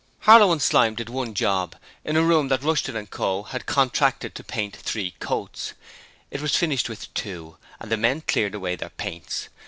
Harlow and Slyme did one job a room that Rushton & Co. had contracted to paint three coats. It was finished with two and the men cleared away their paints.